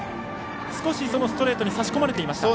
少し、そのストレートに差し込まれていました。